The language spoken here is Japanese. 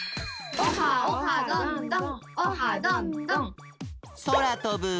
オハオハどんどん！